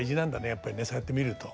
やっぱりねそうやってみると。